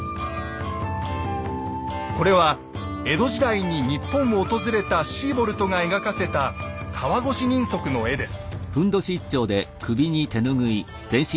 これは江戸時代に日本を訪れたシーボルトが描かせた川越人足の絵です。